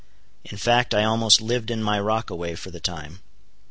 In fact I almost lived in my rockaway for the time.